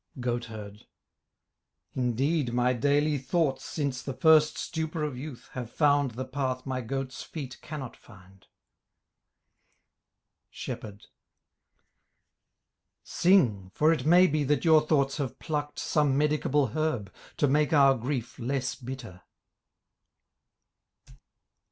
GOATHERD Indeed My daily thoughts since the first stupor of youth Have found the path my goats' feet cannot find. SHEPHERD Sing, for it may be that your thoughts have plucked Some medicable herb to make our grief Less bitter.